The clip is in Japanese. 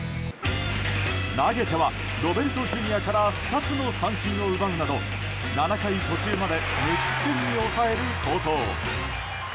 投げてはロベルトＪｒ．から２つの三振を奪うなど７回途中まで無失点に抑える好投。